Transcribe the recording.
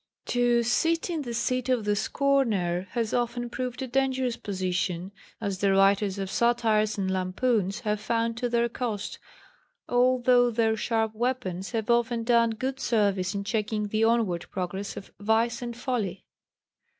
To "sit in the seat of the scorner" has often proved a dangerous position, as the writers of satires and lampoons have found to their cost, although their sharp weapons have often done good service in checking the onward progress of Vice and Folly.